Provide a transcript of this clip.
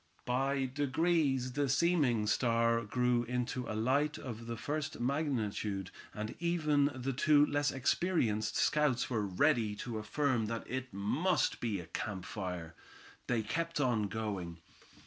By degrees the seeming star grew into a light of the first magnitude, and finally even the two less experienced scouts were ready to affirm that it must be a camp fire. They kept on going.